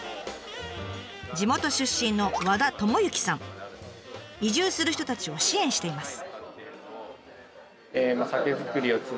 地元出身の移住する人たちを支援しています。